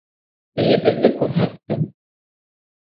Өйөбөҙҙө күрһәттем.